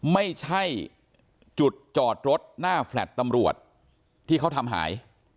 ไม่ใช่จุดจอดรถหน้าแฟลต์ตำรวจที่เขาทำหาย